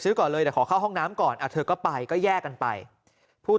ก่อนเลยแต่ขอเข้าห้องน้ำก่อนเธอก็ไปก็แยกกันไปผู้